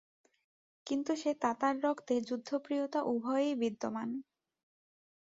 কিন্তু সে তাতার রক্তে যুদ্ধপ্রিয়তা উভয়েই বিদ্যমান।